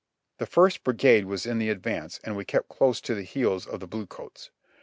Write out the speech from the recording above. The First Brigade was in the advance, and we kept close to the heels of the blue coats.